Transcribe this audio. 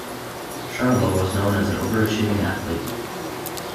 Charla was known as an overachieving athlete.